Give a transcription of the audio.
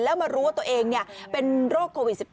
แล้วมารู้ว่าตัวเองเป็นโรคโควิด๑๙